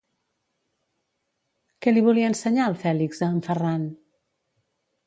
Què li volia ensenyar el Fèlix a en Ferran?